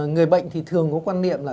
người bệnh thì thường có quan niệm là